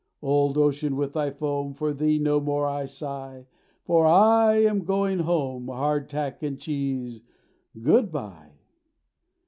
Old Ocean with thy foam, For thee no more I sigh; For I am going home! Hard tack and cheese, good bye!